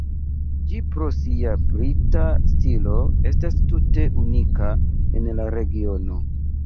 Ĝi pro sia brita stilo estas tute unika en la regiono.